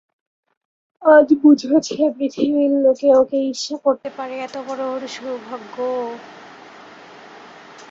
আজ বুঝেছে পৃথিবীর লোকে ওকে ঈর্ষা করতে পারে এতবড়ো ওর সৌভাগ্য।